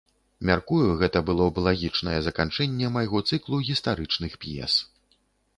Мяркую, гэта было б лагічнае заканчэнне майго цыклу гістарычных п'ес.